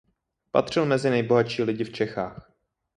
Patřil mezi nejbohatší lidi v Čechách.